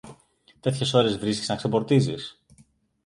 Τέτοιες ώρες βρίσκεις να ξεπορτίζεις;